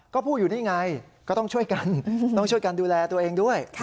ก็พูดอยู่นี่ไงก็ต้องช่วยกันต้องช่วยกันดูแลตัวเองด้วย